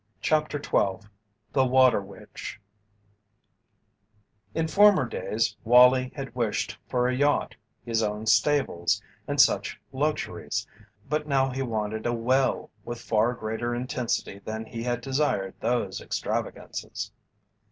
CHAPTER XII THE WATER WITCH In former days Wallie had wished for a yacht, his own stables, and such luxuries, but now he wanted a well with far greater intensity than he had desired those extravagances.